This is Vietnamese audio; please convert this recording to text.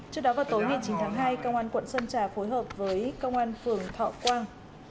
trước đó vào tối ngày chín tháng hai công an quận sơn trà phối hợp với công an phường thọ quang